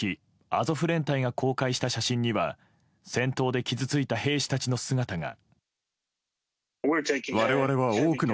アゾフ連隊が公開した写真には戦闘で傷ついた兵士たちの姿が。